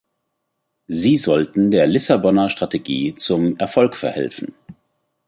Sie sollten der Lissabonner Strategie zum Erfolg verhelfen.